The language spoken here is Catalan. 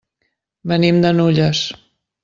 Venim de Nulles.